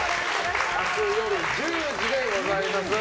明日夜１０時でございます。